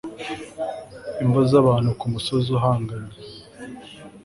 imva z'abantu kumusozi uhanganye